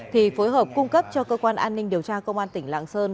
thì phối hợp cung cấp cho cơ quan an ninh điều tra công an tỉnh lạng sơn